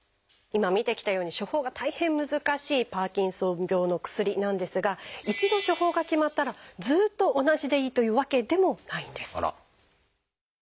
今見てきたように処方が大変難しいパーキンソン病の薬なんですが一度処方が決まったらずっと同じでいいというわけでもないんです。